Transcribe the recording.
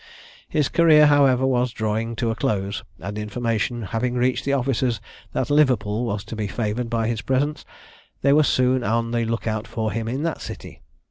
His career was, however, drawing to a close, and information having reached the officers that Liverpool was to be favoured by his presence, they were soon on the look out for him in that city.